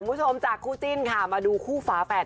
คุณผู้ชมจากคู่จิ้นค่ะมาดูคู่ฝาแฝด